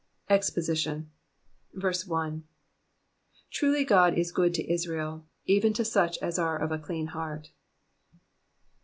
EXrOSITION. TRULY God is good to Israel, even to such as are of a clean heart.